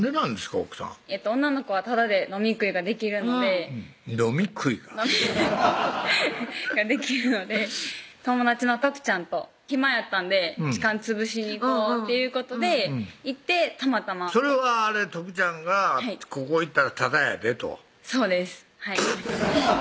奥さん女の子はタダで飲み食いができるので飲み食いがができるので友達のとくちゃんと暇やったんで時間潰しに行こうということで行ってたまたまそれはとくちゃんが「ここ行ったらタダやで」とそうですはいブッ！